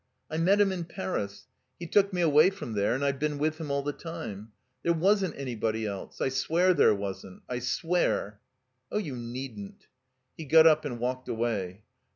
''I met him in Paris. He took me away from there, and I've been with him all the time. There wasn't anybody else. I swear there wasn't — ^I swear." "Oh, you needn't." He got up and walked away.